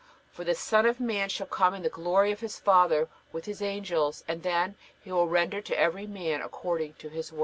For the Son of man shall come in the glory of His Father with His angels; and then will He render to every man according to his works."